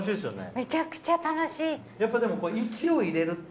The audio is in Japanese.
めちゃくちゃ楽しい。